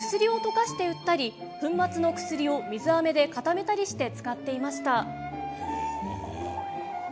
そこで、水あめに薬を溶かして売ったり粉末の薬を水あめで固めたりして使っていました。